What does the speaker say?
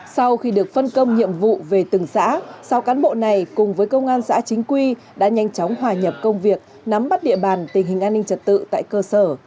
quân công nhiệm vụ về từng xã sau cán bộ này cùng với công an xã chính quy đã nhanh chóng hòa nhập công việc nắm bắt địa bàn tình hình an ninh trật tự tại cơ sở